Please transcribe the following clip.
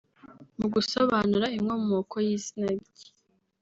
Mu gusobanura inkomoko y’izina rye